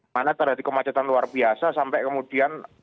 mana terjadi kemacetan luar biasa sampai kemudian